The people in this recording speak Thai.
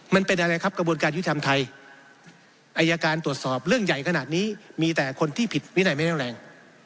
มันเป็นอะไรครับกระบวนการยุทธรรมไทยอายการตรวจสอบเรื่องใหญ่ขนาดนี้มีแต่คนที่ผิดวินัยไม่แรง